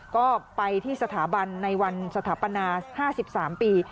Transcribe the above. ก็ไปที่สถาบันในวันสถาปนา๕๓ปี